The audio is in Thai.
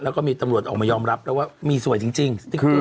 แล้วก็มีตำรวจออกมายอมรับแล้วว่ามีสวยจริง